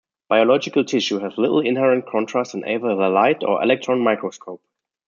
Biological tissue has little inherent contrast in either the light or electron microscope.